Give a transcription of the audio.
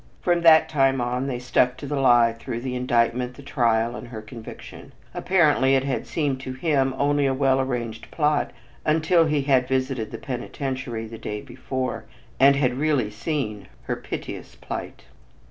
From that time on they stuck to the lie through the indictment, the trial and her conviction. Apparently it had seemed to him only a well arranged plot until he had visited the penitentiary the day before, and had really seen her piteous plight.